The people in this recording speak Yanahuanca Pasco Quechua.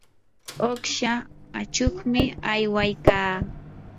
uqsha achuqmi aywaykaa.